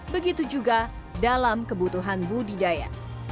begitu juga dalam kebutuhan budidaya